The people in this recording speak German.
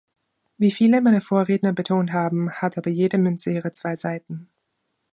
Wie viele meiner Vorredner betont haben, hat aber jede Münze ihre zwei Seiten.